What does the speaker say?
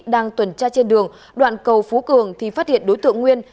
đang tuần tra trên đường đoạn cầu phú cường thì phát hiện đối tượng nguyên